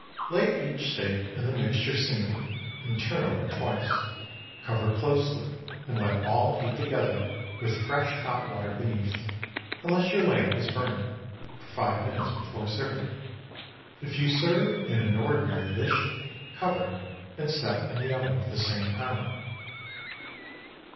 Lay each steak in the mixture singly, and turn over twice. Cover closely and let all heat together, with fresh hot water beneath—unless your lamp is burning—for five minutes before serving. If you serve in an ordinary dish, cover and set in the oven for the same time.